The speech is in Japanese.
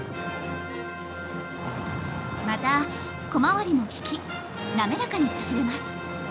また小回りも利き滑らかに走れます。